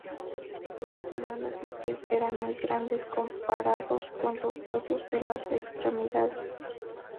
Las manos y pies eran muy grandes comparados con los huesos de las extremidades.